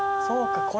そうか。